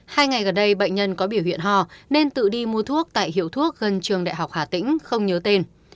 hai ngày gần đây bệnh nhân có biểu hiện ho nên tự đi mua thuốc tại hiệu thuốc gần trường đại học hà tĩnh không nhớ tên